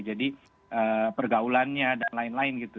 jadi pergaulannya dan lain lain gitu